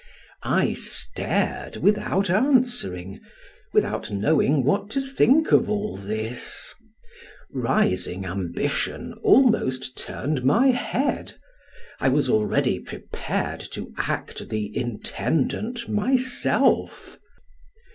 I stared without answering, without knowing what to think of all this; rising ambition almost turned my head; I was already prepared to act the intendant myself.